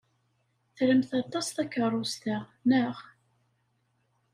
Tramt aṭas takeṛṛust-a, naɣ?